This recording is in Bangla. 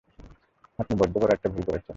আপনি বড্ড বড় একটা ভুল করছেন!